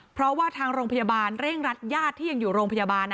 เพราะว่าทางโรงพยาบาลเร่งรัดญาติที่ยังอยู่โรงพยาบาล